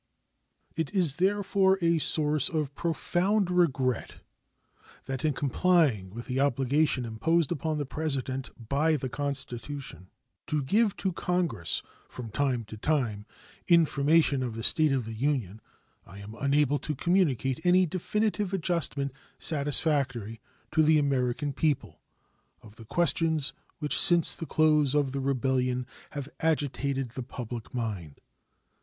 It is therefore a source of profound regret that in complying with the obligation imposed upon the President by the Constitution to give to Congress from time to time information of the state of the Union I am unable to communicate any definitive adjustment satisfactory to the American people, of the questions which since the close of the rebellion have agitated the public mind.